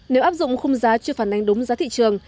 nếu áp dụng khung giá chưa phản ánh đúng giá thị trường